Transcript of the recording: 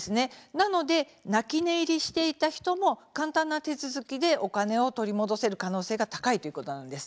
なので泣き寝入りしていた人も簡単な手続きでお金を取り戻せる可能性が高いということなんです。